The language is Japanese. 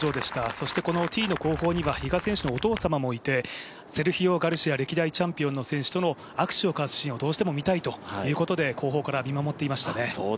そしてこのティーの後方には比嘉選手のお父様もいてセルヒオ・ガルシア、歴代チャンピオンの選手との握手を交わすシーンをどうしても見たいということで後方から見守っていましたね。